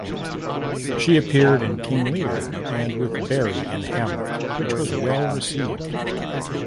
She appeared in King Lear and with Barry in Hamlet which was well received.